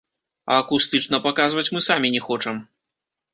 А акустычна паказваць мы самі не хочам.